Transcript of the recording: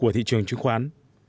trường chứng khoán